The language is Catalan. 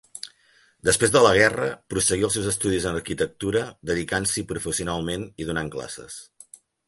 Després de la guerra, prosseguí els seus estudis en arquitectura, dedicant-s'hi professionalment i donant classes.